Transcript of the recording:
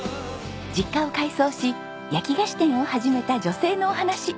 実家を改装し焼き菓子店を始めた女性のお話。